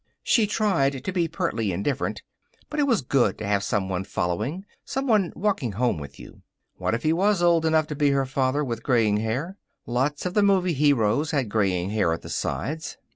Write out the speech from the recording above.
She tried to be pertly indifferent, but it was good to have someone following, someone walking home with you. What if he was old enough to be her father, with graying hair? Lots of the movie heroes had graying hair at the sides.